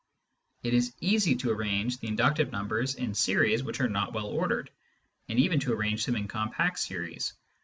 It is easy to arrange the inductive numbers in series which are not well ordered, and even to arrange them in compact series.